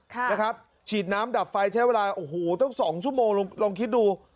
ค่ะนะครับฉีดน้ำดับไฟใช้เวลาโอ้โหตั้งสองชั่วโมงลองคิดดู